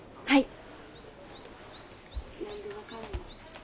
はい。